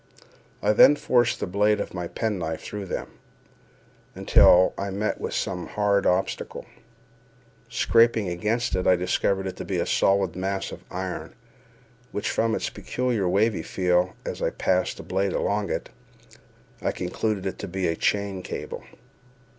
I then forced the blade of my pen knife through them, until I met with some hard obstacle. Scraping against it, I discovered it to be a solid mass of iron, which, from its peculiar wavy feel as I passed the blade along it, I concluded to be a chain cable.